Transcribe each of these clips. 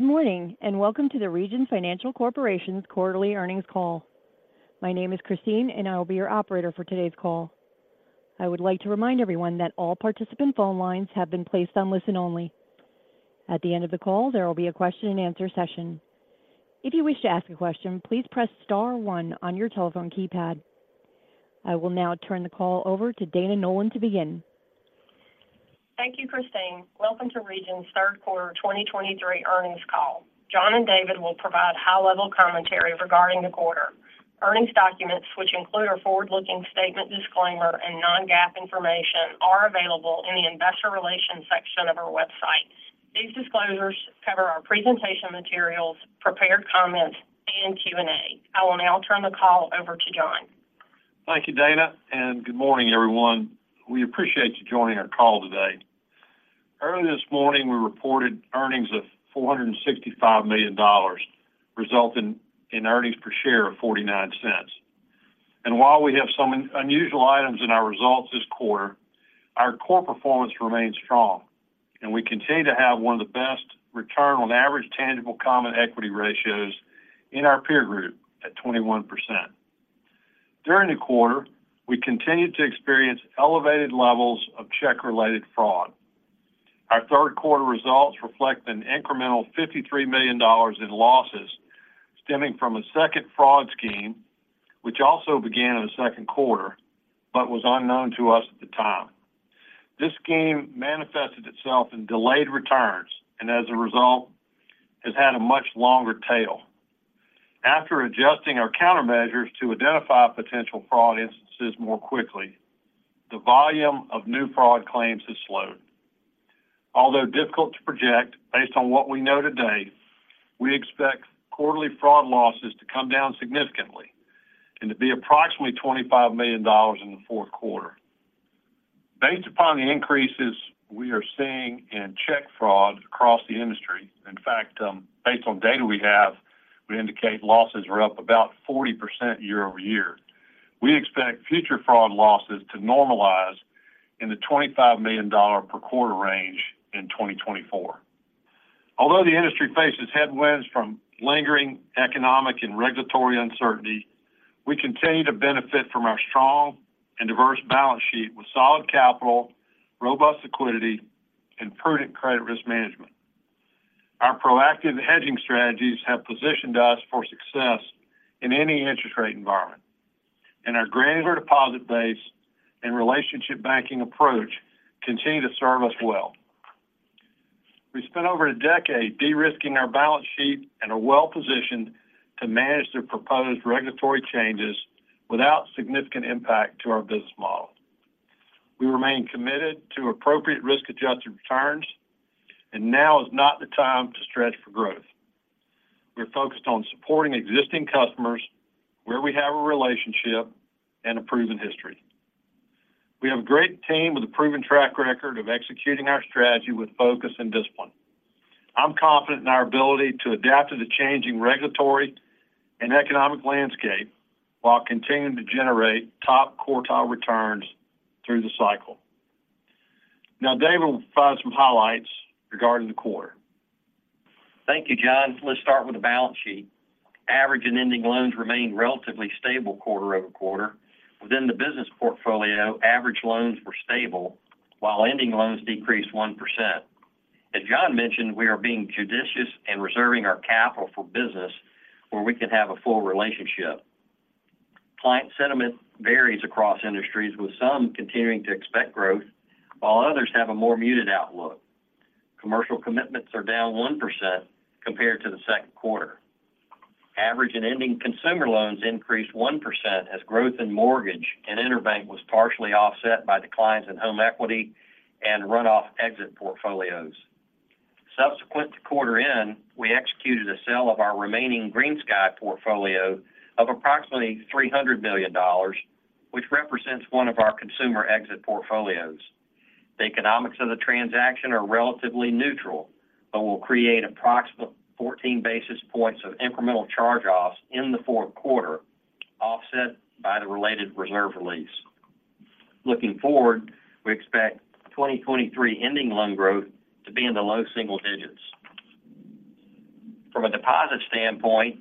Good morning, and welcome to the Regions Financial Corporation's quarterly earnings call. My name is Christine, and I will be your operator for today's call. I would like to remind everyone that all participant phone lines have been placed on listen-only. At the end of the call, there will be a question-and-answer session. If you wish to ask a question, please press star one on your telephone keypad. I will now turn the call over to Dana Nolan to begin. Thank you, Christine. Welcome to Regions' third quarter 2023 earnings call. John and David will provide high-level commentary regarding the quarter. Earnings documents, which include our forward-looking statement disclaimer and non-GAAP information, are available in the Investor Relations section of our website. These disclosures cover our presentation materials, prepared comments, and Q&A. I will now turn the call over to John. Thank you, Dana, and good morning, everyone. We appreciate you joining our call today. Early this morning, we reported earnings of $465 million, resulting in earnings per share of 0.49. While we have some unusual items in our results this quarter, our core performance remains strong, and we continue to have one of the best return on average tangible common equity ratios in our peer group at 21%. During the quarter, we continued to experience elevated levels of check-related fraud. Our third quarter results reflect an incremental $53 million in losses stemming from a second fraud scheme, which also began in the second quarter, but was unknown to us at the time. This scheme manifested itself in delayed returns, and as a result, has had a much longer tail. After adjusting our countermeasures to identify potential fraud instances more quickly, the volume of new fraud claims has slowed. Although difficult to project, based on what we know today, we expect quarterly fraud losses to come down significantly and to be approximately $25 million in the fourth quarter. Based upon the increases we are seeing in check fraud across the industry, in fact, based on data we have, we indicate losses are up about 40% year-over-year. We expect future fraud losses to normalize in the $25 million per quarter range in 2024. Although the industry faces headwinds from lingering economic and regulatory uncertainty, we continue to benefit from our strong and diverse balance sheet with solid capital, robust liquidity, and prudent credit risk management. Our proactive hedging strategies have positioned us for success in any interest rate environment, and our granular deposit base and relationship banking approach continue to serve us well. We spent over a decade de-risking our balance sheet and are well positioned to manage the proposed regulatory changes without significant impact to our business model. We remain committed to appropriate risk-adjusted returns, and now is not the time to stretch for growth. We're focused on supporting existing customers where we have a relationship and a proven history. We have a great team with a proven track record of executing our strategy with focus and discipline. I'm confident in our ability to adapt to the changing regulatory and economic landscape while continuing to generate top quartile returns through the cycle. Now, David will provide some highlights regarding the quarter. Thank you, John. Let's start with the balance sheet. Average and ending loans remained relatively stable quarter-over-quarter. Within the business portfolio, average loans were stable, while ending loans decreased 1%. As John mentioned, we are being judicious in reserving our capital for business where we can have a full relationship. Client sentiment varies across industries, with some continuing to expect growth, while others have a more muted outlook. Commercial commitments are down 1% compared to the second quarter. Average and ending consumer loans increased 1%, as growth in mortgage and EnerBank was partially offset by declines in home equity and run-off exit portfolios. Subsequent to quarter end, we executed a sale of our remaining GreenSky portfolio of approximately $300 million, which represents one of our consumer exit portfolios. The economics of the transaction are relatively neutral, but will create approximately 14 basis points of incremental charge-offs in the fourth quarter, offset by the related reserve release. Looking forward, we expect 2023 ending loan growth to be in the low single digits. From a deposit standpoint,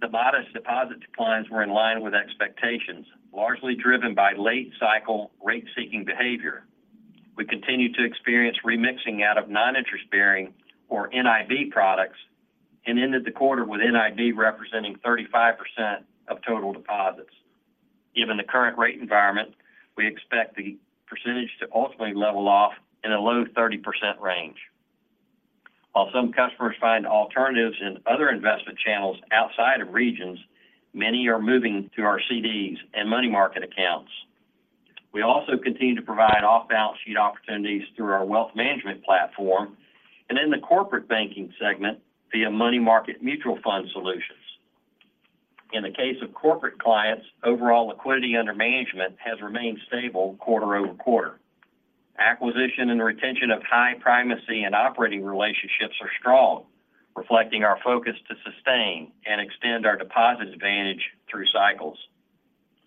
the modest deposit declines were in line with expectations, largely driven by late-cycle rate-seeking behavior. We continued to experience remixing out of non-interest-bearing, or NIB, products and ended the quarter with NIB representing 35% of total deposits. Given the current rate environment, we expect the percentage to ultimately level off in a low 30% range. While some customers find alternatives in other investment channels outside of Regions, many are moving to our CDs and money market accounts. We also continue to provide off-balance-sheet opportunities through our wealth management platform and in the corporate banking segment via money market mutual fund solutions. In the case of corporate clients, overall liquidity under management has remained stable quarter-over-quarter. Acquisition and retention of high primacy and operating relationships are strong, reflecting our focus to sustain and extend our deposit advantage through cycles.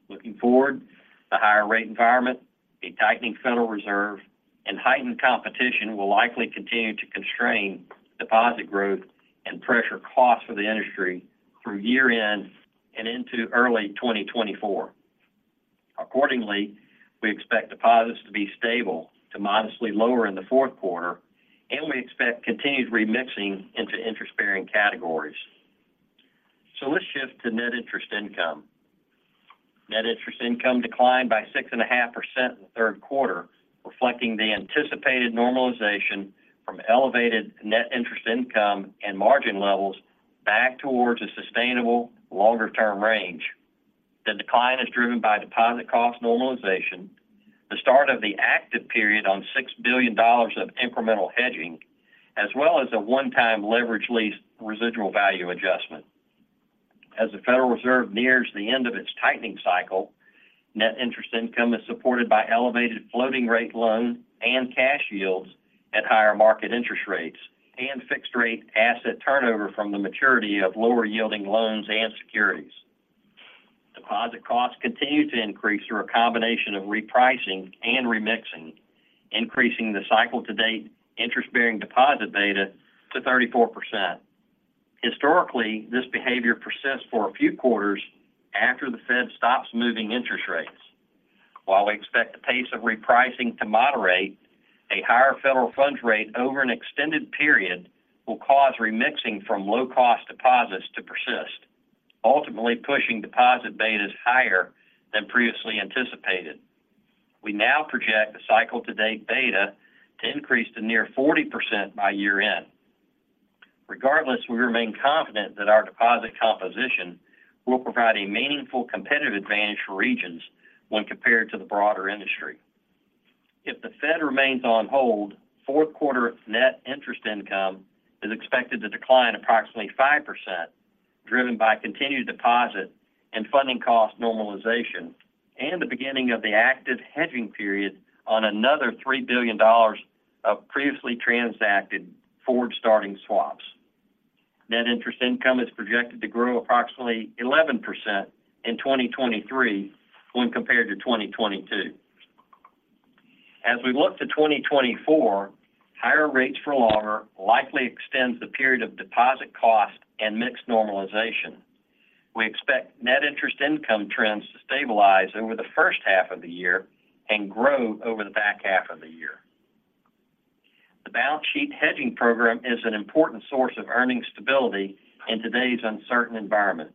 Looking forward, the higher rate environment, a tightening Federal Reserve, and heightened competition will likely continue to constrain deposit growth and pressure costs for the industry through year-end and into early 2024. Accordingly, we expect deposits to be stable to modestly lower in the fourth quarter, and we expect continued remixing into interest-bearing categories. Let's shift to net interest income. net interest income declined by 6.5% in the third quarter, reflecting the anticipated normalization from elevated net interest income and margin levels back towards a sustainable longer-term range. The decline is driven by deposit cost normalization, the start of the active period on $6 billion of incremental hedging, as well as a one-time leverage lease residual value adjustment. As the Federal Reserve nears the end of its tightening cycle, net interest income is supported by elevated floating-rate loans and cash yields at higher market interest rates, and fixed-rate asset turnover from the maturity of lower-yielding loans and securities. Deposit costs continue to increase through a combination of repricing and remixing, increasing the cycle-to-date interest-bearing deposit beta to 34%. Historically, this behavior persists for a few quarters after the Fed stops moving interest rates. While we expect the pace of repricing to moderate, a higher federal funds rate over an extended period will cause remixing from low-cost deposits to persist, ultimately pushing deposit betas higher than previously anticipated. We now project the cycle-to-date beta to increase to near 40% by year-end. Regardless, we remain confident that our deposit composition will provide a meaningful competitive advantage for Regions when compared to the broader industry. If the Fed remains on hold, fourth quarter net interest income is expected to decline approximately 5%, driven by continued deposit and funding cost normalization, and the beginning of the active hedging period on another $3 billion of previously transacted forward-starting swaps. net interest income is projected to grow approximately 11% in 2023 when compared to 2022. As we look to 2024, higher rates for longer likely extends the period of deposit cost and mix normalization. We expect net interest income trends to stabilize over the first half of the year and grow over the back half of the year. The balance sheet hedging program is an important source of earnings stability in today's uncertain environment.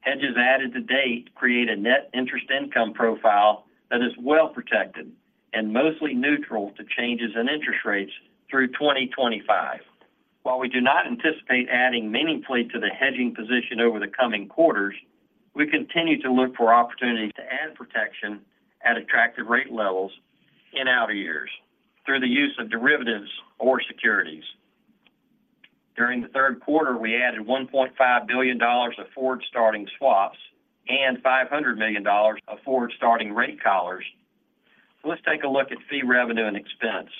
Hedges added to date create a net interest income profile that is well protected and mostly neutral to changes in interest rates through 2025. While we do not anticipate adding meaningfully to the hedging position over the coming quarters, we continue to look for opportunities to add protection at attractive rate levels in outer years through the use of derivatives or securities. During the third quarter, we added $1.5 billion of forward-starting swaps and $500 million of forward-starting rate collars. Let's take a look at fee revenue and expense.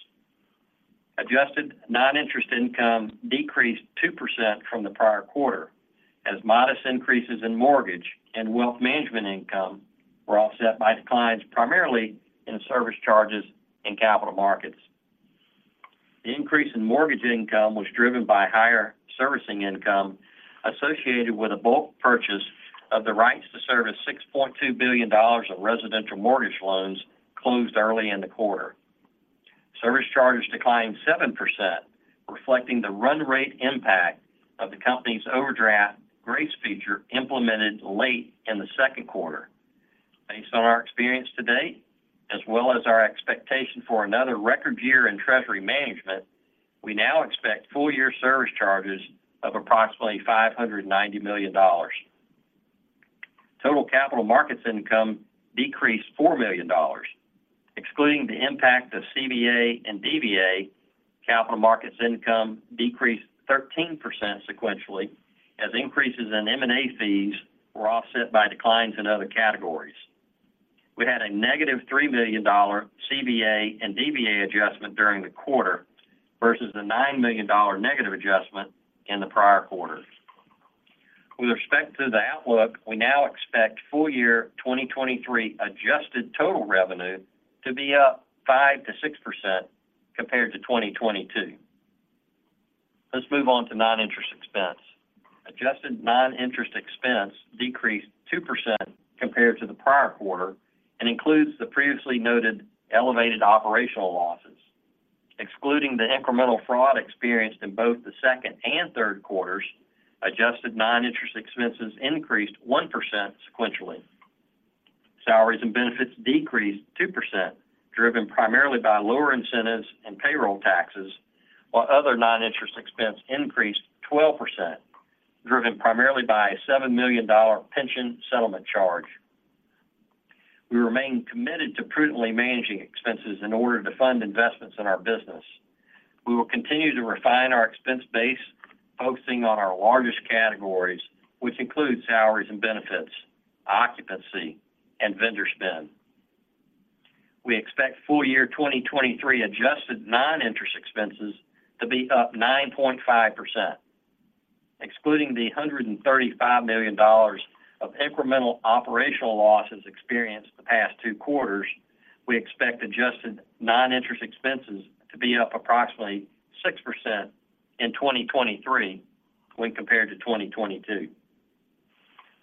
Adjusted non-interest income decreased 2% from the prior quarter, as modest increases in mortgage and wealth management income were offset by declines primarily in service charges and capital markets. The increase in mortgage income was driven by higher servicing income associated with a bulk purchase of the rights to service $62 billion of residential mortgage loans closed early in the quarter. Service charges declined 7%, reflecting the run rate impact of the company's overdraft grace feature implemented late in the second quarter. Based on our experience to date, as well as our expectation for another record year in treasury management, we now expect full-year service charges of approximately $590 million. Total capital markets income decreased $4 million. Excluding the impact of CVA and DVA, capital markets income decreased 13% sequentially, as increases in M&A fees were offset by declines in other categories. We had a -$3 million CVA and DVA adjustment during the quarter versus the $9 million negative adjustment in the prior quarters. With respect to the outlook, we now expect full year 2023 adjusted total revenue to be up 5%-6% compared to 2022. Let's move on to non-interest expense. Adjusted non-interest expense decreased 2% compared to the prior quarter and includes the previously noted elevated operational losses. Excluding the incremental fraud experienced in both the second and third quarters, adjusted non-interest expenses increased 1% sequentially. Salaries and benefits decreased 2%, driven primarily by lower incentives and payroll taxes, while other non-interest expense increased 12%, driven primarily by a $7 million pension settlement charge. We remain committed to prudently managing expenses in order to fund investments in our business. We will continue to refine our expense base, focusing on our largest categories, which include salaries and benefits, occupancy, and vendor spend. We expect full-year 2023 adjusted non-interest expenses to be up 9.5%. Excluding the $135 million of incremental operational losses experienced the past two quarters, we expect adjusted non-interest expenses to be up approximately 6% in 2023 when compared to 2022.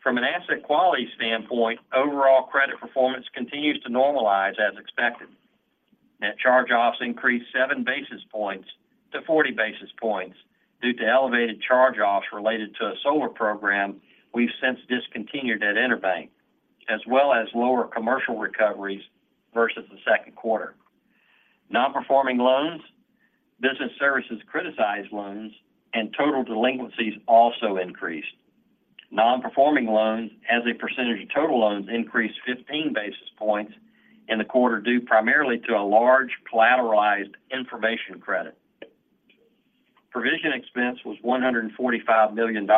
From an asset quality standpoint, overall credit performance continues to normalize as expected. Net charge-offs increased seven basis points to 40 basis points due to elevated charge-offs related to a solar program we've since discontinued at EnerBank, as well as lower commercial recoveries versus the second quarter. Non-performing loans, business services criticized loans, and total delinquencies also increased. Non-performing loans as a percentage of total loans increased 15 basis points in the quarter, due primarily to a large collateralized information credit. Provision expense was $145 million,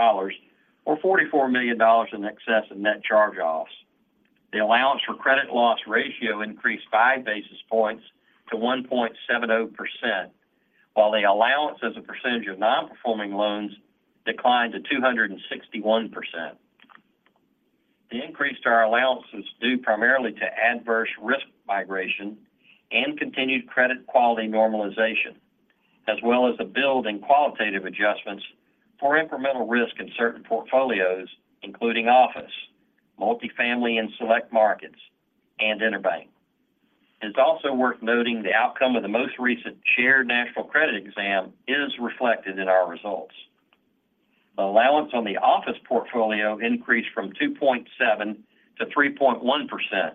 or $44 million in excess of net charge-offs. The allowance for credit loss ratio increased five basis points to 1.70%, while the allowance as a percentage of non-performing loans declined to 261%. The increase to our allowance was due primarily to adverse risk migration and continued credit quality normalization, as well as a build in qualitative adjustments for incremental risk in certain portfolios, including office, multifamily and select markets, and EnerBank. It's also worth noting the outcome of the most recent Shared National Credit exam is reflected in our results. The allowance on the office portfolio increased from 2.7%-3.1%.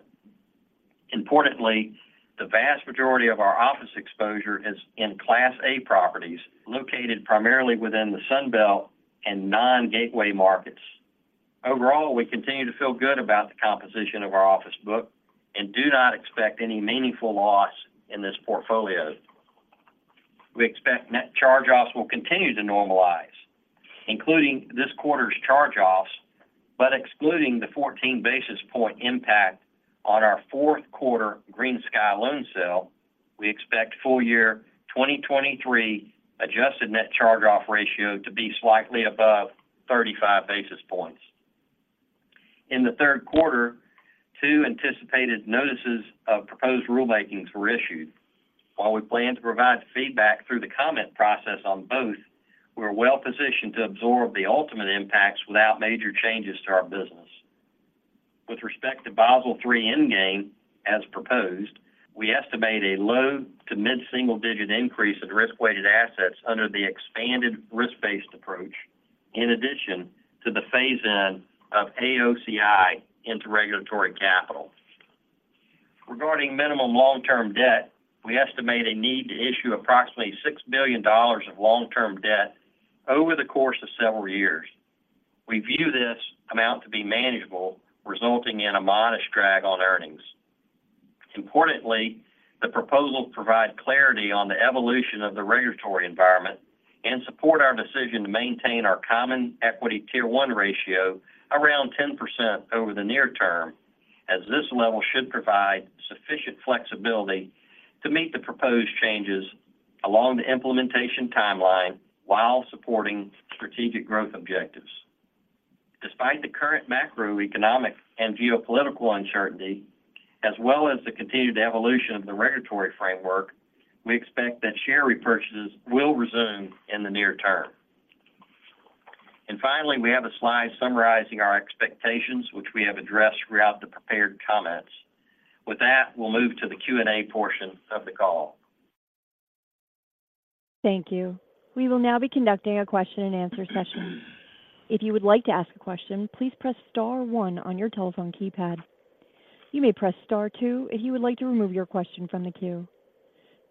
Importantly, the vast majority of our office exposure is in Class A properties located primarily within the Sun Belt and non-gateway markets. Overall, we continue to feel good about the composition of our office book and do not expect any meaningful loss in this portfolio. We expect net charge-offs will continue to normalize, including this quarter's charge-offs, but excluding the 14 basis point impact on our fourth quarter GreenSky loan sale, we expect full-year 2023 adjusted net charge-off ratio to be slightly above 35 basis points. In the third quarter, two anticipated notices of proposed rulemakings were issued. While we plan to provide feedback through the comment process on both, we're well-positioned to absorb the ultimate impacts without major changes to our business. With respect to Basel III Endgame, as proposed, we estimate a low- to mid-single-digit increase in risk-weighted assets under the expanded risk-based approach, in addition to the phase-in of AOCI into regulatory capital. Regarding minimum long-term debt, we estimate a need to issue approximately $6 billion of long-term debt over the course of several years. We view this amount to be manageable, resulting in a modest drag on earnings. Importantly, the proposals provide clarity on the evolution of the regulatory environment and support our decision to maintain our Common Equity Tier 1 ratio around 10% over the near term, as this level should provide sufficient flexibility to meet the proposed changes along the implementation timeline while supporting strategic growth objectives. Despite the current macroeconomic and geopolitical uncertainty, as well as the continued evolution of the regulatory framework, we expect that share repurchases will resume in the near term. Finally, we have a slide summarizing our expectations, which we have addressed throughout the prepared comments. With that, we'll move to the Q&A portion of the call. Thank you. We will now be conducting a question and answer session. If you would like to ask a question, please press star one on your telephone keypad. You may press star two if you would like to remove your question from the queue.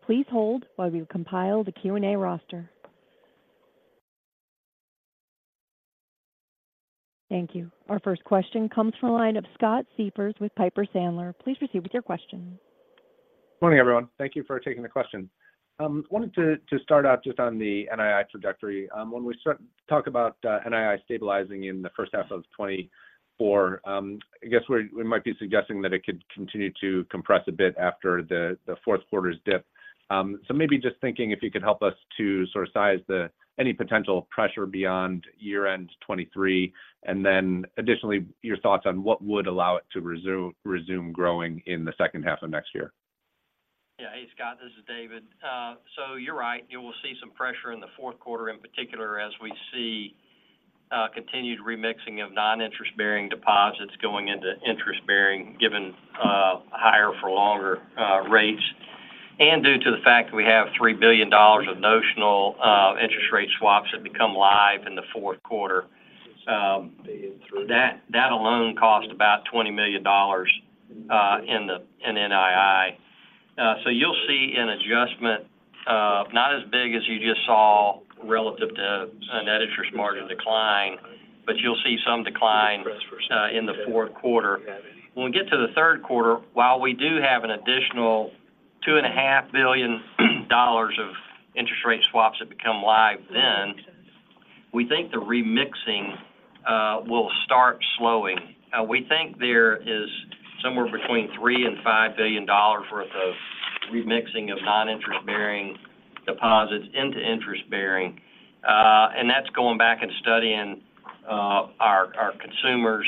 Please hold while we compile the Q and A roster. Thank you. Our first question comes from the line of Scott Siefers with Piper Sandler. Please proceed with your question. Maybe just thinking if you could help us to sort of size any potential pressure beyond year-end 2023, and then additionally, your thoughts on what would allow it to resume growing in the second half of next year? Hey, Scott, this is David. You're right. You will see some pressure in the fourth quarter, in particular, as we see continued remixing of non-interest-bearing deposits going into interest-bearing, given higher-for-longer rates, and due to the fact that we have $3 billion of notional interest rate swaps that become live in the fourth quarter. That alone cost about $20 million in NII. You'll see an adjustment, not as big as you just saw relative to a net interest margin decline, but you'll see some decline in the fourth quarter. When we get to the third quarter, while we do have an additional $2.5 billion of interest rate swaps that become live then, we think the remixing will start slowing. We think there is somewhere between $3 billion and $5 billion worth of remixing of non-interest-bearing deposits into interest-bearing. That's going back and studying our consumers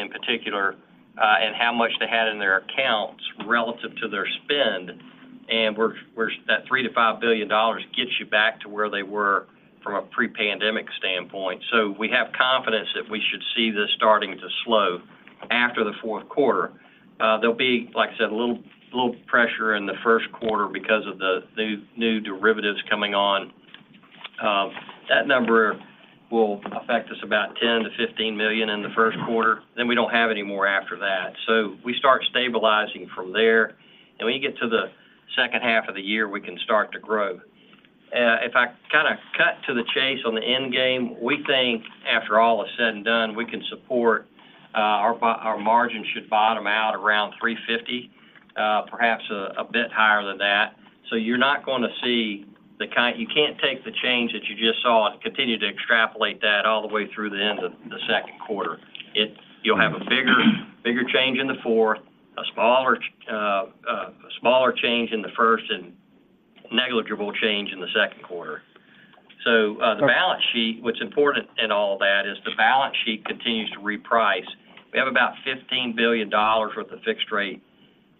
in particular and how much they had in their accounts relative to their spend. That $3 billion-$5 billion gets you back to where they were from a pre-pandemic standpoint. We have confidence that we should see this starting to slow after the fourth quarter. There'll be, like I said, a little pressure in the first quarter because of the new derivatives coming on. That number will affect us about 10 million-15 million in the first quarter, then we don't have any more after that. We start stabilizing from there, and when you get to the second half of the year, we can start to grow. If I kind of cut to the chase on the endgame, we think after all is said and done, we can support, our margin should bottom out around 3.50%, perhaps a bit higher than that. You're not going to see, you can't take the change that you just saw and continue to extrapolate that all the way through the end of the second quarter. You'll have a bigger, bigger change in the fourth, a smaller change in the first, and negligible change in the second quarter. The balance sheet, what's important in all that is the balance sheet continues to reprice. We have about $15 billion worth of fixed-rate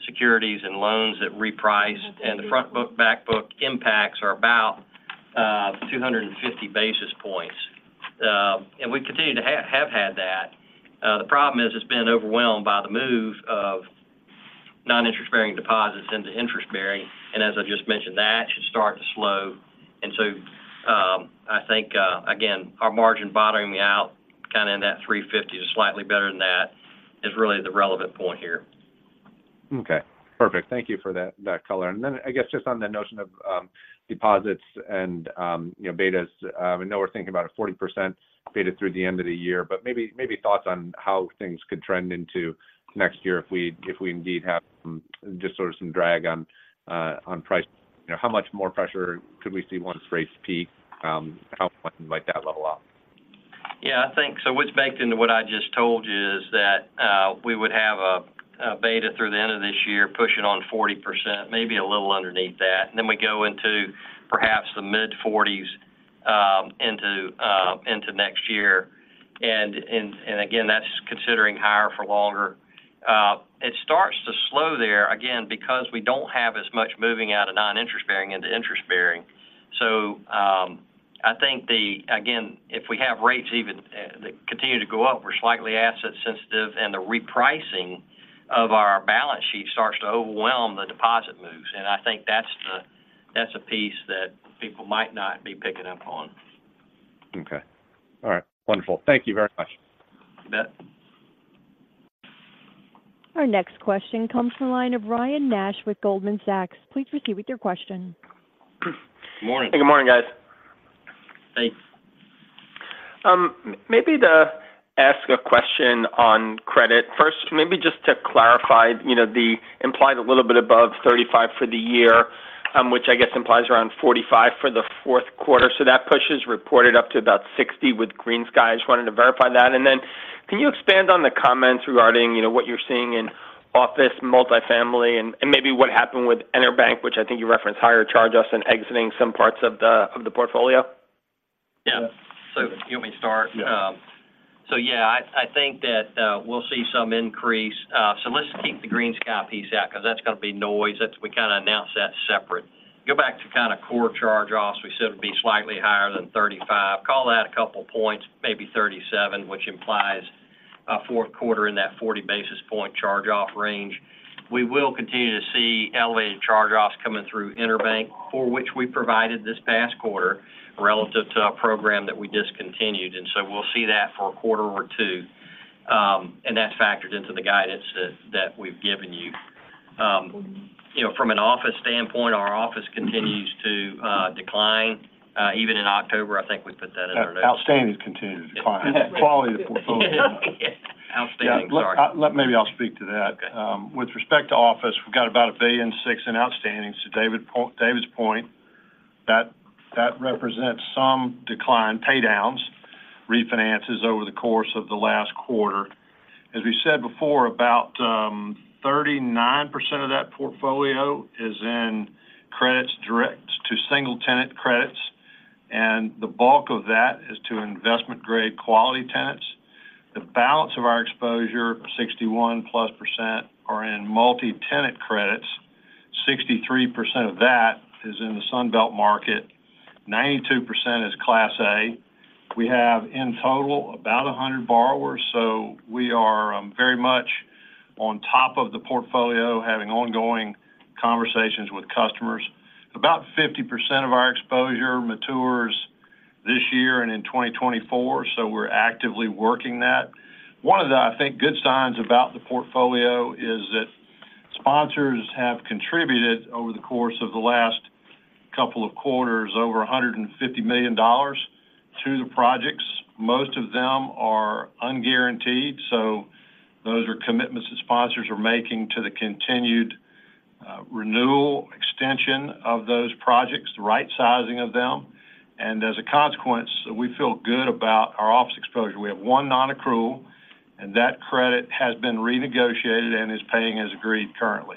securities and loans that reprice, and the front-book, back-book impacts are about 250 basis points. We continue to have had that. The problem is, it's been overwhelmed by the move of non-interest-bearing deposits into interest-bearing, and as I just mentioned, that should start to slow. I think, again, our margin bottoming out kind of in that 3.50% to slightly better than that is really the relevant point here. Okay, perfect. Thank you for that color. I guess just on the notion of deposits and, you know, betas, I know we're thinking about a 40% beta through the end of the year, but maybe thoughts on how things could trend into next year if we indeed have just sort of some drag on price? You know, how much more pressure could we see once rates peak? How might that level out? Yeah, I think so what's baked into what I just told you is that we would have a beta through the end of this year, pushing on 40%, maybe a little underneath that. Then we go into perhaps the mid-40s into next year. Again, that's considering higher for longer. It starts to slow there, again, because we don't have as much moving out of non-interest-bearing into interest-bearing. I think, again, if we have rates even that continue to go up, we're slightly asset sensitive, and the repricing of our balance sheet starts to overwhelm the deposit moves. I think that's a piece that people might not be picking up on. Okay. All right. Wonderful. Thank you very much. You bet. Our next question comes from the line of Ryan Nash with Goldman Sachs. Please proceed with your question. Good morning. Hey, good morning, guys. Hey. Maybe to ask a question on credit. First, maybe just to clarify, you know, the implied a little bit above 35 for the year, which I guess implies around 45 for the fourth quarter. That pushes reported up to about 60 with GreenSky. Just wanted to verify that. Can you expand on the comments regarding, you know, what you're seeing in office, multifamily, and maybe what happened with EnerBank, which I think you referenced higher charge-offs in exiting some parts of the portfolio? Yeah. You want me to start? Yeah. Yeah, I think that we'll see some increase. Let's keep the GreenSky piece out because that's going to be noise. We kind of announced that separate. Go back to kind of core charge-offs, we said it would be slightly higher than 35. Call that a couple points, maybe 37, which implies a fourth quarter in that 40 basis point charge-off range. We will continue to see elevated charge-offs coming through EnerBank, for which we provided this past quarter relative to a program that we discontinued, and so we'll see that for a quarter or two. That's factored into the guidance that we've given you. You know, from an office standpoint, our office continues to decline, even in October. I think we put that in our notes. Outstanding continues to decline. Quality of the portfolio. Outstanding, sorry. Yeah. Maybe I'll speak to that. Okay. With respect to office, we've got about 1.6 billion in outstanding. David's point, that represents some decline, paydowns, refinances over the course of the last quarter. As we said before, about 39% of that portfolio is in credits direct to single-tenant credits, and the bulk of that is to investment-grade quality tenants. The balance of our exposure, 61%+, are in multi-tenant credits. 63% of that is in the Sun Belt market, 92% is Class A. We have, in total, about 100 borrowers, so we are very much on top of the portfolio, having ongoing conversations with customers. About 50% of our exposure matures this year and in 2024, so we're actively working that. One of the, I think, good signs about the portfolio is that sponsors have contributed over the course of the last couple of quarters, over $150 million to the projects. Most of them are unguaranteed, so those are commitments that sponsors are making to the continued renewal, extension of those projects, the right-sizing of them, and as a consequence, we feel good about our office exposure. We have one nonaccrual, and that credit has been renegotiated and is paying as agreed currently.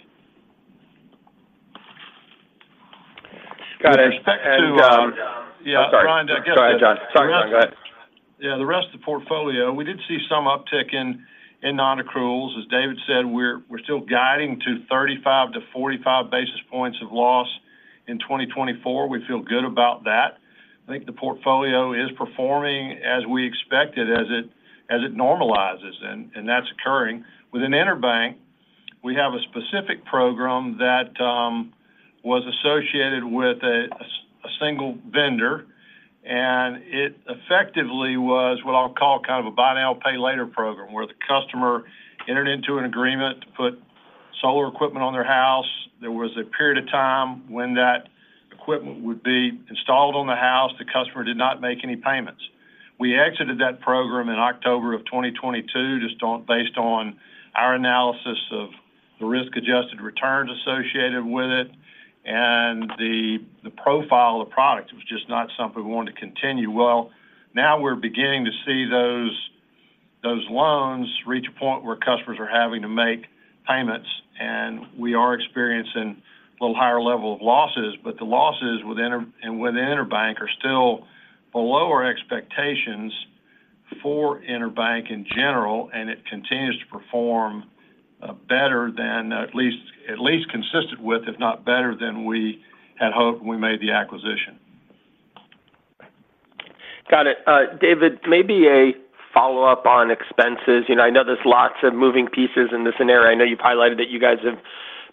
Got it. With respect to. Yeah, sorry. Go ahead, John. Sorry, go ahead. Yeah, the rest of the portfolio, we did see some uptick in nonaccruals. As David said, we're still guiding to 35 basis points-45 basis points of loss in 2024. We feel good about that. I think the portfolio is performing as we expected, as it normalizes, and that's occurring. Within EnerBank, we have a specific program that was associated with a single vendor, and it effectively was what I'll call kind of a buy now, pay later program, where the customer entered into an agreement to put solar equipment on their house. There was a period of time when that equipment would be installed on the house. The customer did not make any payments. We exited that program in October of 2022, based on our analysis of the risk-adjusted returns associated with it and the profile of the product. It was just not something we wanted to continue. Well, now we're beginning to see those loans reach a point where customers are having to make payments, and we are experiencing a little higher level of losses, but the losses within EnerBank are still below our expectations for EnerBank in general, and it continues to perform better than at least consistent with, if not better than we had hoped when we made the acquisition. Got it. David, maybe a follow-up on expenses. You know, I know there's lots of moving pieces in this scenario. I know you've highlighted that you guys have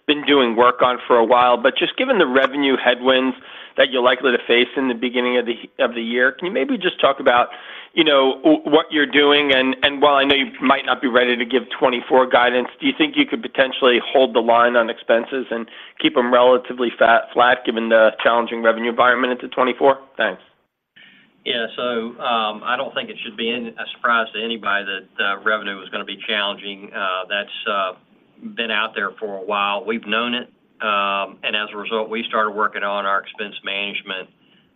been doing work on for a while, but just given the revenue headwinds that you're likely to face in the beginning of the year, can you maybe just talk about, you know, what you're doing? While I know you might not be ready to give 2024 guidance, do you think you could potentially hold the line on expenses and keep them relatively flat, given the challenging revenue environment into 2024? Thanks. Yeah. I don't think it should be any a surprise to anybody that revenue is going to be challenging. That's been out there for a while. We've known it, and as a result, we started working on our expense management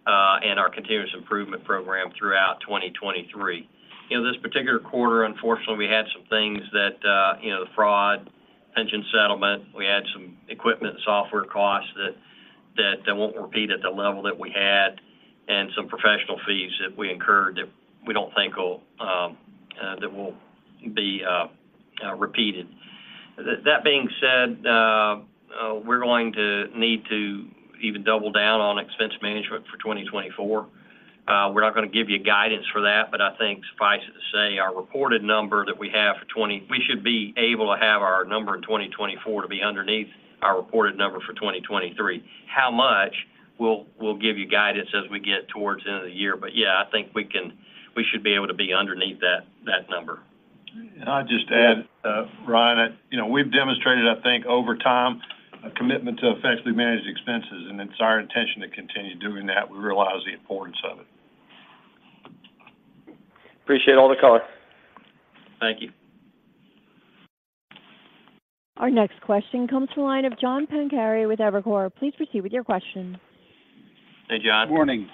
and our continuous improvement program throughout 2023. You know, this particular quarter, unfortunately, we had some things that, you know, the fraud, pension settlement. We had some equipment, software costs that won't repeat at the level that we had and some professional fees that we incurred that we don't think will be repeated. That being said, we're going to need to even double down on expense management for 2024. We're not going to give you guidance for that, but I think suffice it to say, we should be able to have our number in 2024 to be underneath our reported number for 2023. How much? We'll give you guidance as we get towards the end of the year, but yeah, I think we should be able to be underneath that number. I'll just add, Ryan, you know, we've demonstrated, I think, over time, a commitment to effectively manage expenses, and it's our intention to continue doing that. We realize the importance of it. Appreciate all the color. Thank you. Our next question comes from the line of John Pancari with Evercore. Please proceed with your question. Hey, John. Morning.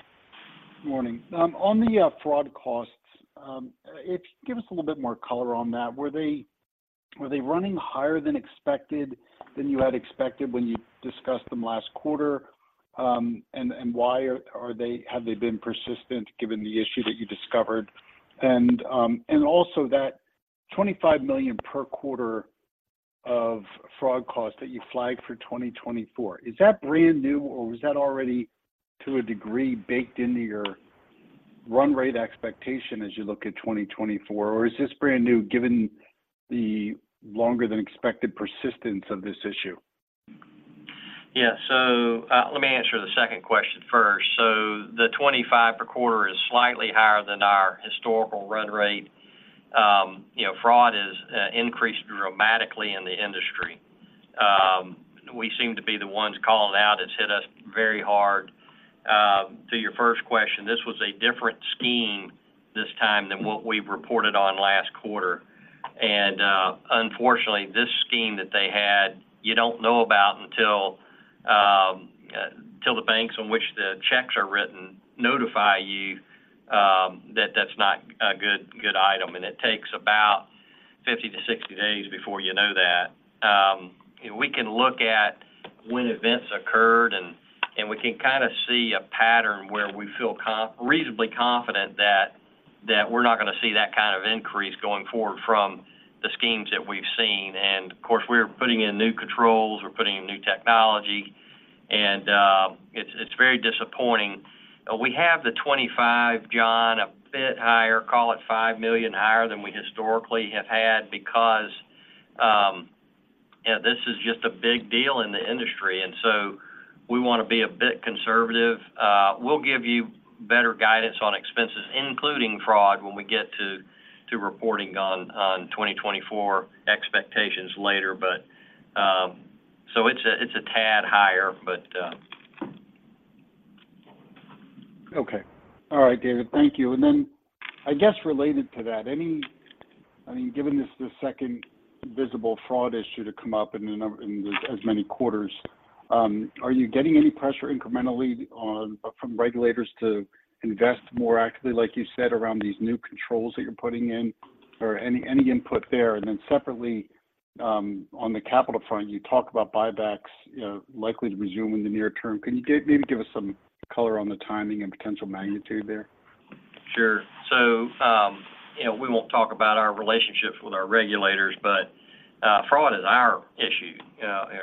Morning. On the fraud costs, if you give us a little bit more color on that, were they running higher than you had expected when you discussed them last quarter? Why have they been persistent given the issue that you discovered? Also that 25 million per quarter of fraud costs that you flagged for 2024, is that brand new, or was that already, to a degree, baked into your run rate expectation as you look at 2024? Is this brand new, given the longer than expected persistence of this issue? Yeah. Let me answer the second question first. The 25 per quarter is slightly higher than our historical run rate. You know, fraud has increased dramatically in the industry. We seem to be the ones called out. It's hit us very hard. To your first question, this was a different scheme this time than what we've reported on last quarter. Unfortunately, this scheme that they had, you don't know about until the banks on which the checks are written notify you that that's not a good item. It takes about 50-60 days before you know that. We can look at when events occurred, and we can kind of see a pattern where we feel reasonably confident that we're not going to see that kind of increase going forward from the schemes that we've seen. Of course, we're putting in new controls, we're putting in new technology, and it's very disappointing. We have the 25, John, a bit higher, call it 5 million higher than we historically have had because, you know, this is just a big deal in the industry, and so we want to be a bit conservative. We'll give you better guidance on expenses, including fraud, when we get to reporting on 2024 expectations later. It's a tad higher. All right, David, thank you. I guess related to that, I mean, given this is the second visible fraud issue to come up in as many quarters, are you getting any pressure incrementally from regulators to invest more actively, like you said, around these new controls that you're putting in, or any input there? Separately, on the capital front, you talk about buybacks, you know, likely to resume in the near term. Can you maybe give us some color on the timing and potential magnitude there? Sure. You know, we won't talk about our relationships with our regulators, but fraud is our issue.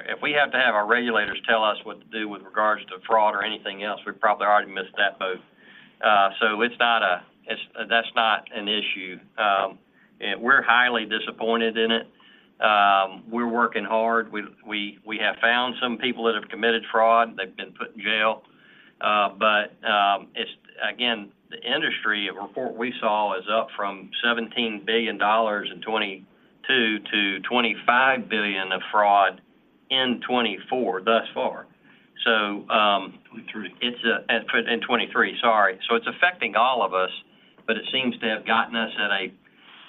If we have to have our regulators tell us what to do with regards to fraud or anything else, we've probably already missed that boat. So that's not an issue. We're highly disappointed in it. We're working hard. We have found some people that have committed fraud, they've been put in jail. It's, again, the industry. A report we saw is up from $17 billion in 2022 to $25 billion of fraud in 2024, thus far. So. 2023. It's in 2023, sorry. It's affecting all of us, but it seems to have gotten us at a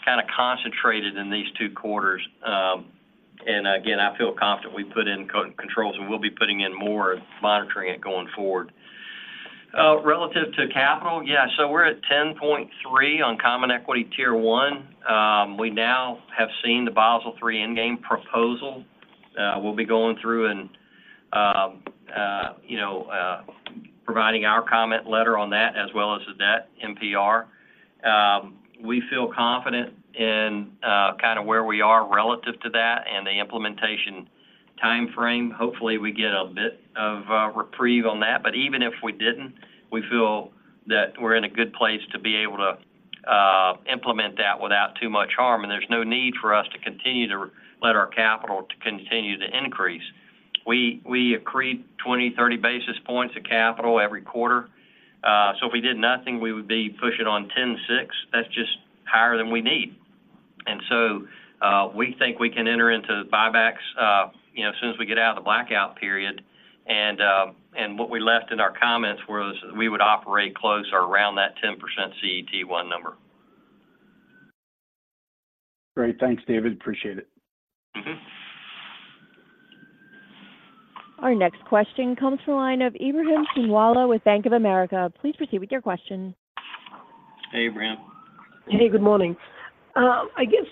kind of concentrated in these two quarters. Again, I feel confident we put in controls, and we'll be putting in more and monitoring it going forward. Relative to capital, yeah, we're at 10.3 on Common Equity Tier 1. We now have seen the Basel III Endgame proposal. We'll be going through and, you know, providing our comment letter on that as well as the debt NPR. We feel confident in kind of where we are relative to that and the implementation timeframe. Hopefully, we get a bit of reprieve on that. Even if we didn't, we feel that we're in a good place to be able to implement that without too much harm, and there's no need for us to continue to let our capital to continue to increase. We accrete 20, 30 basis points of capital every quarter. If we did nothing, we would be pushing on 10.6. That's just higher than we need. We think we can enter into buybacks, you know, as soon as we get out of the blackout period. What we left in our comments was, we would operate close or around that 10% CET1 number. Great. Thanks, David. Appreciate it. Mm-hmm. Our next question comes from the line of Ebrahim Poonawala with Bank of America. Please proceed with your question. Hey, Ebrahim. Hey, good morning. I guess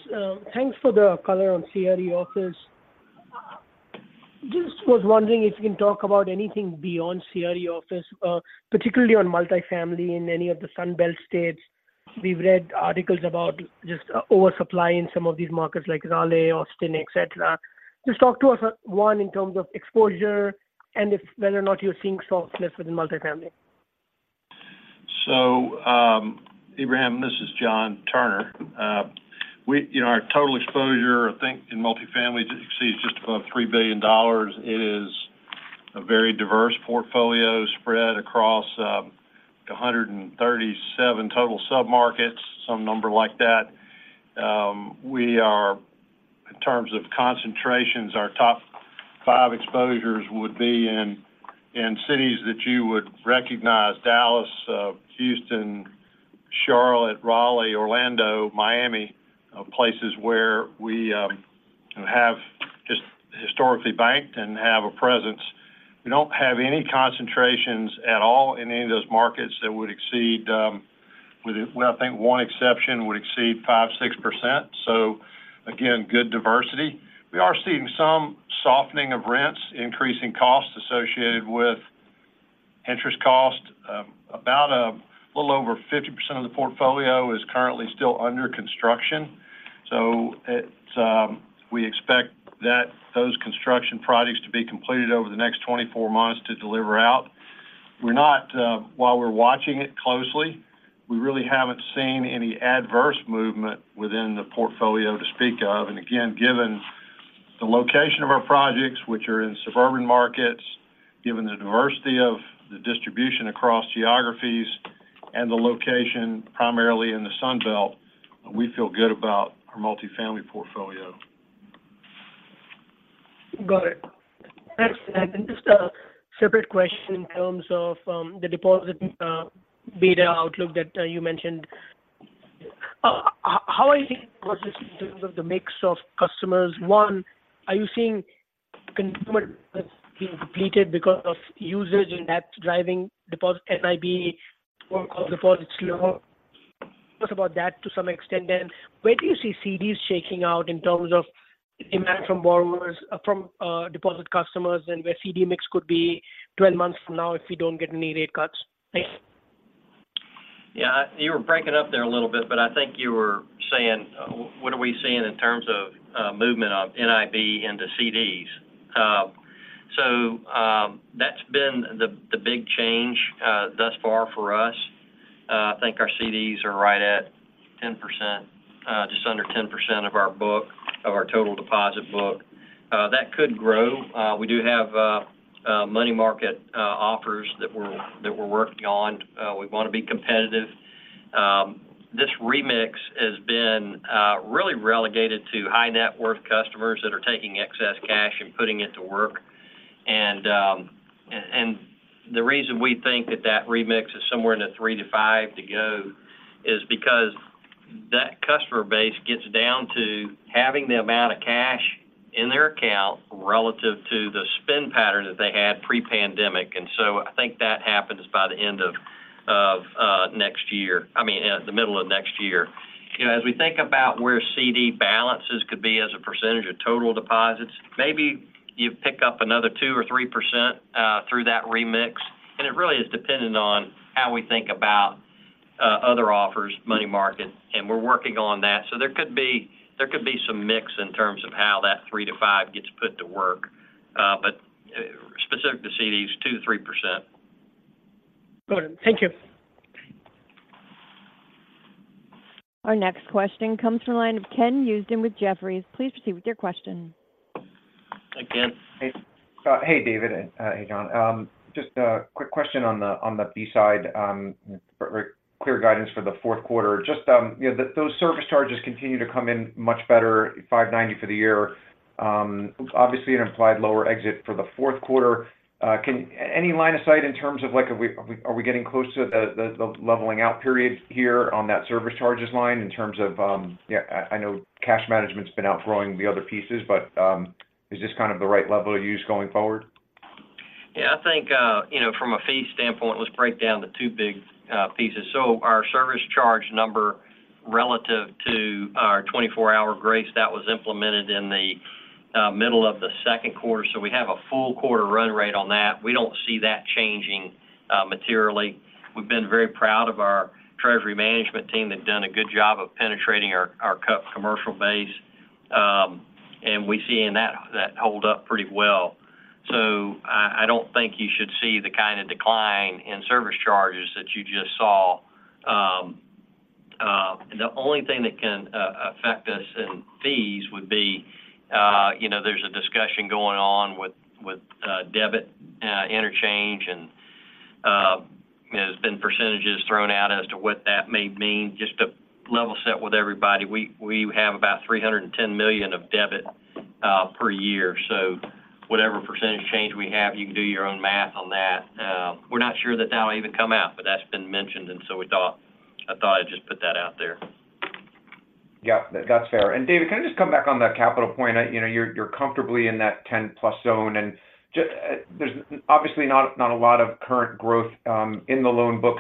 thanks for the color on CRE office. Just was wondering if you can talk about anything beyond CRE office, particularly on multifamily in any of the Sun Belt states. We've read articles about just oversupply in some of these markets like Raleigh, Austin, et cetera. Just talk to us, one, in terms of exposure and if whether or not you're seeing softness within multifamily. Ebrahim, this is John Turner. You know, our total exposure, I think, in multifamily exceeds just above $3 billion. It is a very diverse portfolio spread across 137 total submarkets, some number like that. In terms of concentrations, our top five exposures would be in cities that you would recognize: Dallas, Houston, Charlotte, Raleigh, Orlando, Miami, places where we have just historically banked and have a presence. We don't have any concentrations at all in any of those markets that would exceed, with I think one exception, would exceed 5%-6%. Again, good diversity. We are seeing some softening of rents, increasing costs associated with interest cost. About a little over 50% of the portfolio is currently still under construction, so we expect that those construction projects to be completed over the next 24 months to deliver out. While we're watching it closely, we really haven't seen any adverse movement within the portfolio to speak of. Again, given the location of our projects, which are in suburban markets, given the diversity of the distribution across geographies and the location primarily in the Sun Belt, we feel good about our multifamily portfolio. Got it. Next, just a separate question in terms of the deposit beta outlook that you mentioned. How are you in terms of the mix of customers? One, are you seeing consumer completed because of usage and debt driving deposit NIB or deposit slow? Talk about that to some extent. Where do you see CDs shaking out in terms of demand from borrowers, from deposit customers, and where CD mix could be 12 months from now if we don't get any rate cuts? Thanks. Yeah, you were breaking up there a little bit, but I think you were saying, what are we seeing in terms of movement of NIB into CDs? That's been the big change thus far for us. I think our CDs are right at 10%, just under 10% of our book, of our total deposit book. That could grow. We do have money market offers that we're working on. We want to be competitive. This remix has been really relegated to high-net-worth customers that are taking excess cash and putting it to work. Somewhere in the three to five to go Got it. Thank you. Our next question comes from the line of Ken Usdin with Jefferies. Please proceed with your question. Hi, Ken. Hey. Hey, David, and hey, John. Just a quick question on the fee side, clear guidance for the fourth quarter. Just, you know, those service charges continue to come in much better, 590 for the year, obviously an implied lower exit for the fourth quarter. Any line of sight in terms of like, are we getting close to the leveling out period here on that service charges line in terms of, yeah, I know cash management's been outgrowing the other pieces, but is this kind of the right level of use going forward? Yeah, I think, you know, from a fee standpoint, let's break down the two big pieces. Our service charge number relative to our 24-hour grace, that was implemented in the middle of the second quarter, so we have a full quarter run rate on that. We don't see that changing materially. We've been very proud of our treasury management team. They've done a good job of penetrating our commercial base, and we're seeing that hold up pretty well. I don't think you should see the kind of decline in service charges that you just saw. The only thing that can affect us in fees would be, you know, there's a discussion going on with debit interchange, and there's been percentages thrown out as to what that may mean. Just to level set with everybody, we have about $310 million of debit per year, so whatever percentage change we have, you can do your own math on that. We're not sure that that will even come out, but that's been mentioned, and so I thought I'd just put that out there. Yeah, that's fair. David, can I just come back on the capital point? You know, you're comfortably in that 10+ zone, and there's obviously not a lot of current growth in the loan book.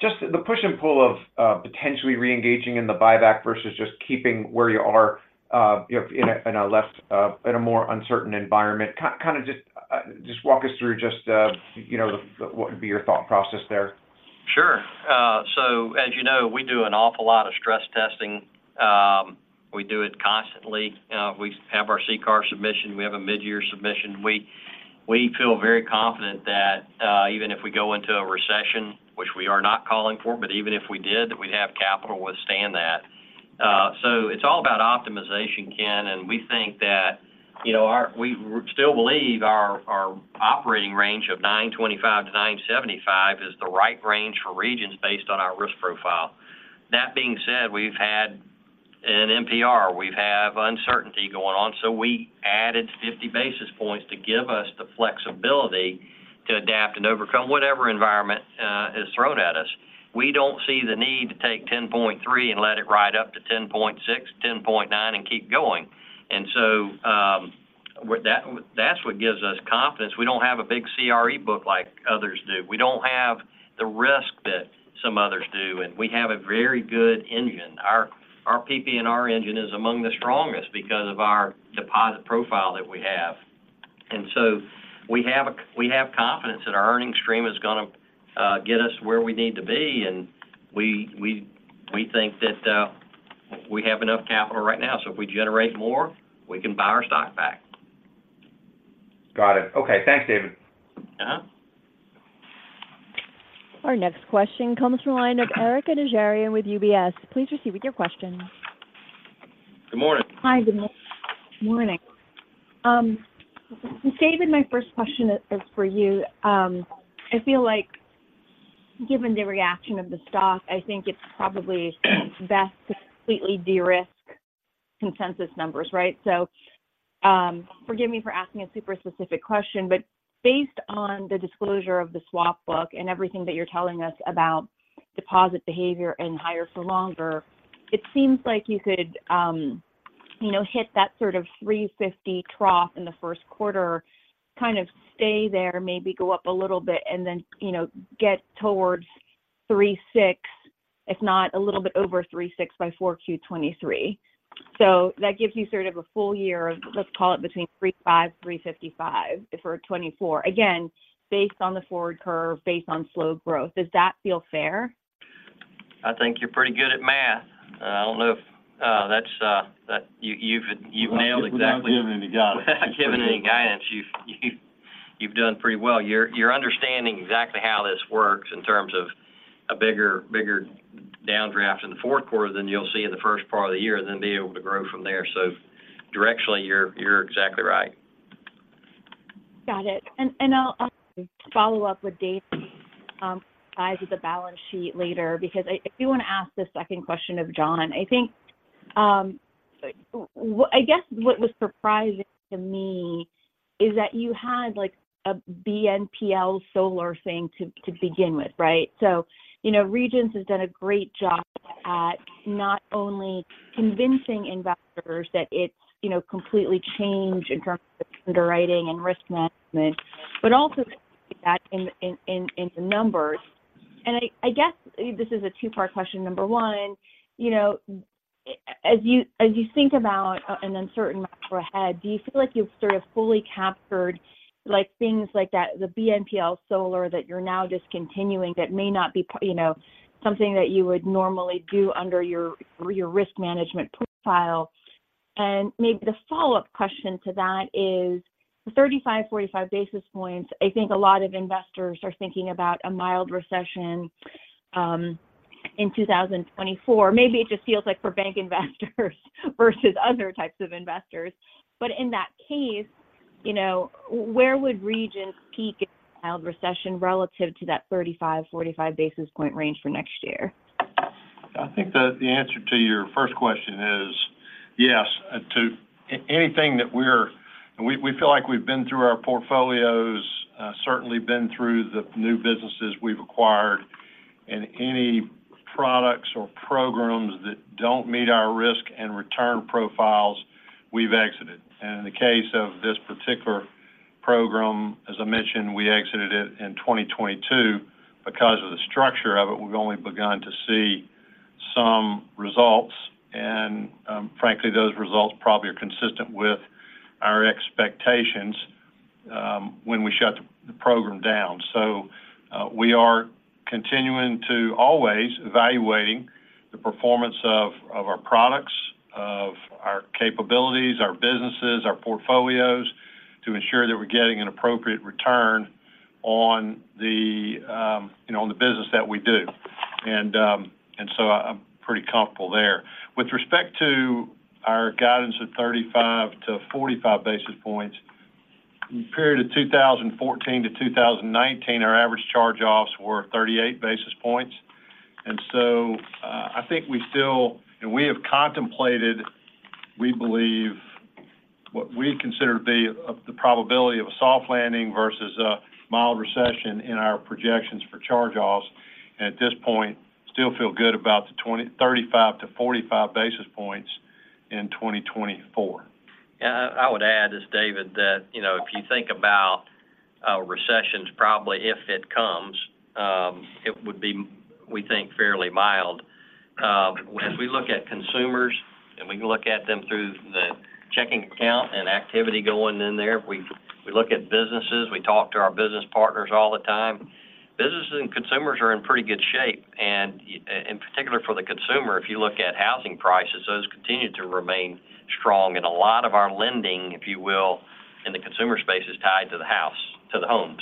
Just the push and pull of potentially reengaging in the buyback versus just keeping where you are, you know, in a more uncertain environment. Kind of just walk us through, you know, what would be your thought process there? "Sure. As you know, we do an awful lot of stress testing. We do it constantly. We have our CCAR submission. We have a mid-year submission. We feel very confident that even if we go into a recession, which we are not calling for, but even if we did, that we'd have capital to withstand that. It's all about optimization, Ken, and we think that, you know, we still believe our operating range of 9.25-9.75 is the right range for Regions based on our risk profile. That being said, we've had an NPR. We have uncertainty going on, so we added 50 basis points to give us the flexibility to adapt and overcome whatever environment is thrown at us." * "we think that, you know, we still believe our operating range" * Is "we think that" a false start? * "we think that"... We don't see the need to take 10.3 and let it ride up to 10.6, 10.9 and keep going. So that's what gives us confidence. We don't have a big CRE book like others do. We don't have the risk that some others do, and we have a very good engine. Our PPNR engine is among the strongest because of our deposit profile that we have. So we have confidence that our earning stream is gonna get us where we need to be, and we think that we have enough capital right now, so if we generate more, we can buy our stock back. Got it. Okay. Thanks, David. Uh-huh. Our next question comes from the line of Erika Najarian with UBS. Please proceed with your question. Good morning. Hi, good morning. David, my first question is for you. I feel like given the reaction of the stock, I think it's probably best to completely de-risk consensus numbers, right? Forgive me for asking a super specific question, but based on the disclosure of the swap book and everything that you're telling us about deposit behavior and higher for longer, it seems like you could, you know, hit that sort of 3.50 trough in the first quarter, kind of stay there, maybe go up a little bit, and then, you know, get towards 3.6, if not a little bit over 3.6 by 4Q 2023. That gives you sort of a full year of, let's call it between 3.5-3.55 for 2024. Again, based on the forward curve, based on slow growth. Does that feel fair? You know if you've nailed it Without giving any guidance. Without giving any guidance, you've done pretty well. You're understanding exactly how this works in terms of a bigger downdraft in the fourth quarter than you'll see in the first part of the year, and then being able to grow from there. Directionally, you're exactly right. Got it. I'll follow up with Dave's side of the balance sheet later if you want to ask the second question of John. I think I guess what was surprising to me is that you had like a BNPL solar thing to begin with, right? You know, Regions has done a great job at not only convincing investors that it's, you know, completely changed in terms of underwriting and risk management, but also that in the numbers. I guess this is a two-part question. Number one, you know, as you think about an uncertain road ahead, do you feel like you've sort of fully captured, like things like that, the BNPL solar that you're now discontinuing that may not be something that you would normally do under your risk management profile? Maybe the follow-up question to that is the 35 basis points-45 basis points, I think a lot of investors are thinking about a mild recession in 2024. Maybe it just feels like for bank investors versus other types of investors. In that case, you know, where would Regions peak in a mild recession relative to that 35 basis point-45 basis point range for next year? I think that the answer to your first question is yes. To anything that we feel like we've been through our portfolios, certainly been through the new businesses we've acquired, and any products or programs that don't meet our risk and return profiles, we've exited. In the case of this particular program, as I mentioned, we exited it in 2022. Because of the structure of it, we've only begun to see some results, and frankly, those results probably are consistent with our expectations when we shut the program down. We are continuing to always evaluating the performance of our products, of our capabilities, our businesses, our portfolios, to ensure that we're getting an appropriate return on the, you know, business that we do. I'm pretty comfortable there. With respect to our guidance of 35 basis points-45 basis points, in the period of 2014-2019, our average charge-offs were 38 basis points. I think we have contemplated, we believe, what we consider the probability of a soft landing versus a mild recession in our projections for charge-offs, and at this point, still feel good about the 35 basis points-45 basis points in 2024. Yeah, I would add, this is David, that, you know, if you think about recessions, probably if it comes, it would be, we think, fairly mild. As we look at consumers, and we look at them through the checking account and activity going in there, we look at businesses, we talk to our business partners all the time. Businesses and consumers are in pretty good shape. In particular, for the consumer, if you look at housing prices, those continue to remain strong, and a lot of our lending, if you will, in the consumer space, is tied to the house, to the home.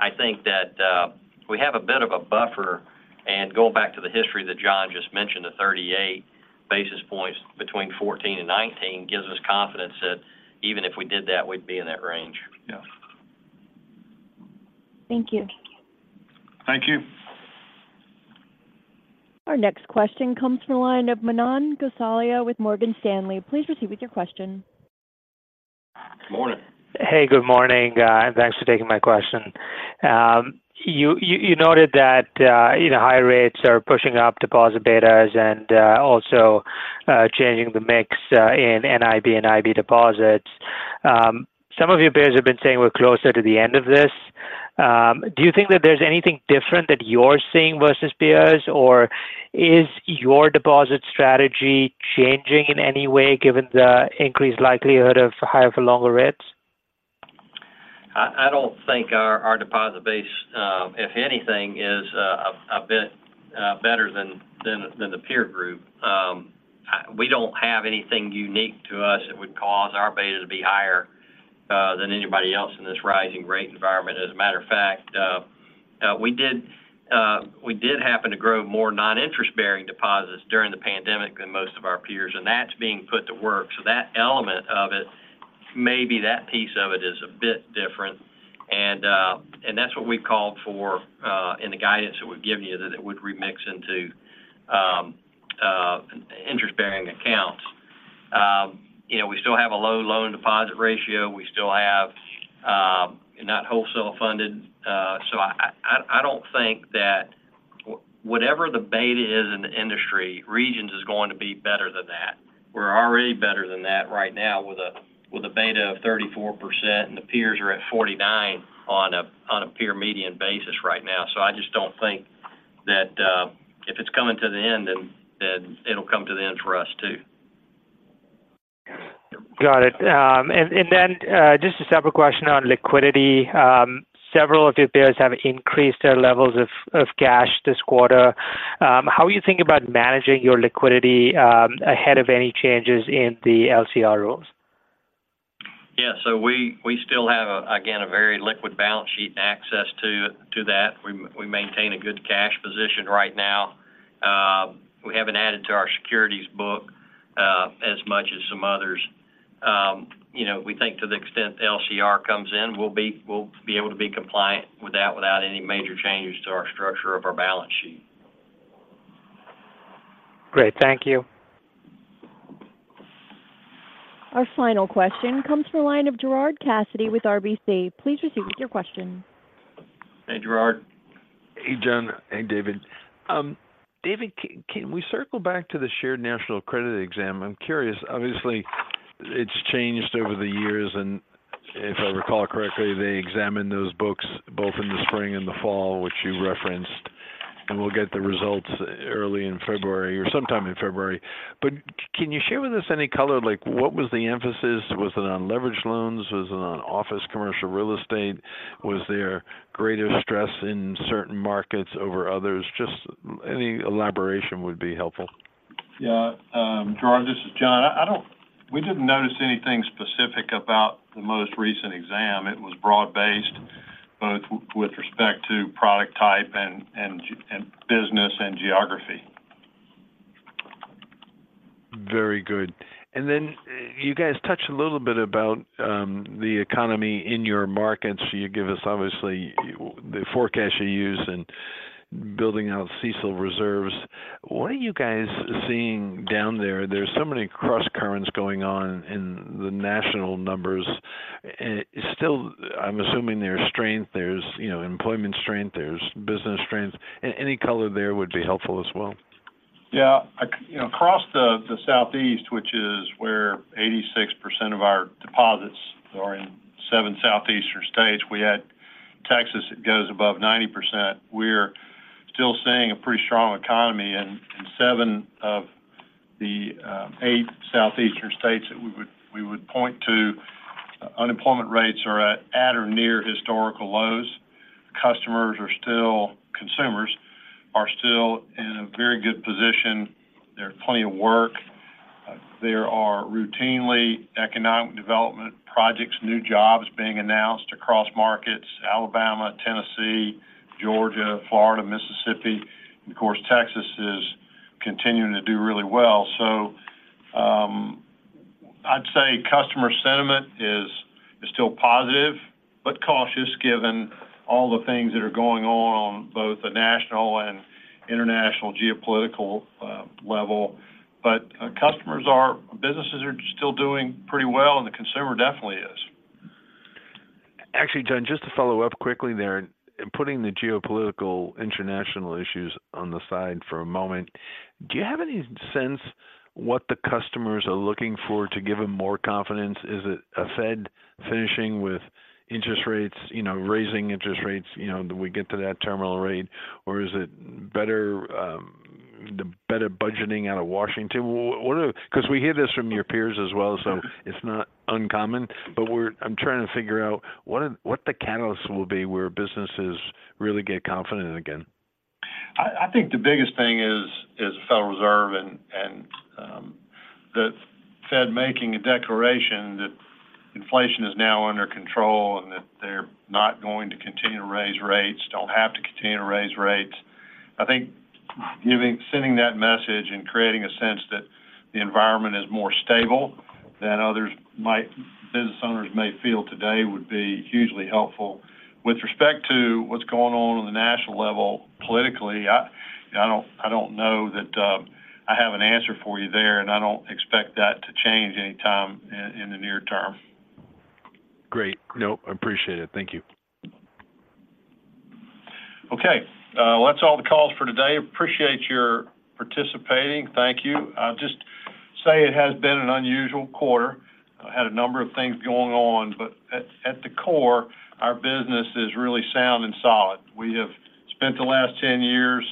I think that we have a bit of a buffer. Going back to the history that John just mentioned, the 38 basis points between 2014 and 2019 gives us confidence that even if we did that, we'd be in that range. Yes. Thank you. Thank you. Our next question comes from the line of Manan Gosalia with Morgan Stanley. Please proceed with your question. Good morning. Hey, good morning, and thanks for taking my question. You noted that, you know, high rates are pushing up deposit betas and also changing the mix in NIB and IB deposits. Some of your peers have been saying we're closer to the end of this. Do you think that there's anything different that you're seeing versus peers, or is your deposit strategy changing in any way given the increased likelihood of higher-for-longer rates? I don't think our deposit base, if anything, is a bit better than the peer group. We don't have anything unique to us that would cause our beta to be higher than anybody else in this rising rate environment. As a matter of fact, we did happen to grow more non-interest-bearing deposits during the pandemic than most of our peers, and that's being put to work. So that element of it, maybe that piece of it is a bit different. That's what we've called for in the guidance that we've given you, that it would remix into interest-bearing accounts. You know, we still have a low loan-to-deposit ratio. We still have not wholesale funded. I don't think that whatever the beta is in the industry, Regions is going to be better than that. We're already better than that right now with a beta of 34%, and the peers are at 49 on a peer median basis right now. I just don't think that if it's coming to the end, then it'll come to the end for us too. Got it. Just a separate question on liquidity. Several of your peers have increased their levels of cash this quarter. How are you thinking about managing your liquidity ahead of any changes in the LCR rules? Yeah, we still have, again, a very liquid balance sheet and access to that. We maintain a good cash position right now. We haven't added to our securities book. As much as some others. You know, we think to the extent LCR comes in, we'll be able to be compliant with that without any major changes to our structure of our balance sheet. Great. Thank you. Our final question comes from the line of Gerard Cassidy with RBC. Please proceed with your question. Hey, Gerard. Hey, John. Hey, David. David, can we circle back to the Shared National Credit exam? I'm curious. Obviously, it's changed over the years, and if I recall correctly, they examined those books both in the spring and the fall, which you referenced, and we'll get the results early in February or sometime in February. Can you share with us any color, like what was the emphasis? Was it on leveraged loans? Was it on office commercial real estate? Was there greater stress in certain markets over others? Just any elaboration would be helpful. Yeah, Gerard, this is John. We didn't notice anything specific about the most recent exam. It was broad-based, both with respect to product type and business and geography. Very good. You guys touched a little bit about the economy in your markets. You give us, obviously, the forecast you use in building out CECL reserves. What are you guys seeing down there? There's so many crosscurrents going on in the national numbers. Still, I'm assuming there's strength, there's, you know, employment strength, there's business strength. Any color there would be helpful as well. Yeah, you know, across the Southeast, which is where 86% of our deposits are in seven southeastern states. Add Texas, it goes above 90%. We're still seeing a pretty strong economy in seven of the eight southeastern states that we would point to. Unemployment rates are at or near historical lows. Customers are still, consumers are still in a very good position. There are plenty of work. There are routinely economic development projects, new jobs being announced across markets, Alabama, Tennessee, Georgia, Florida, Mississippi, and of course, Texas is continuing to do really well. I'd say customer sentiment is still positive, but cautious given all the things that are going on on both the national and international geopolitical level. Customers are, businesses are still doing pretty well, and the consumer definitely is. Actually, John, just to follow up quickly there, and putting the geopolitical international issues on the side for a moment, do you have any sense what the customers are looking for to give them more confidence? Is it a Fed finishing with interest rates, you know, raising interest rates, you know, do we get to that terminal rate? Is it better budgeting out of Washington? Because we hear this from your peers as well, so it's not uncommon, but I'm trying to figure out what the catalyst will be where businesses really get confident again. I think the biggest thing is the Federal Reserve and the Fed making a declaration that inflation is now under control and that they're not going to continue to raise rates, don't have to continue to raise rates. I think sending that message and creating a sense that the environment is more stable than business owners may feel today would be hugely helpful. With respect to what's going on in the national level politically, I don't know that I have an answer for you there, and I don't expect that to change anytime in the near term. Great. Nope, I appreciate it. Thank you. Okay, well, that's all the calls for today. Appreciate your participating. Thank you. I'll just say it has been an unusual quarter. I had a number of things going on, but at the core, our business is really sound and solid. We have spent the last 10 years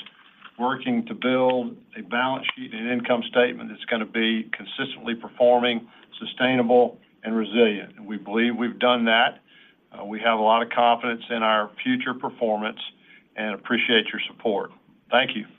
working to build a balance sheet and income statement that's going to be consistently performing, sustainable, and resilient. We believe we've done that. We have a lot of confidence in our future performance and appreciate your support. Thank you.